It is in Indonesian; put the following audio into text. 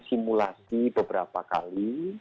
simulasi beberapa kali